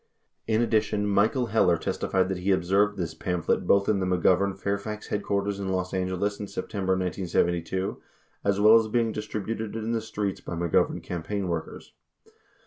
38 In addition, Michael Heller testified that he observed this pamphlet both in the McGovern Fairfax headquarters in Los Angeles in Septem ber 1972, as well as being distributed in the streets by McGovern cam paign workers.